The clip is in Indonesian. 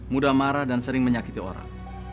mudah marah dan sering menyakiti orang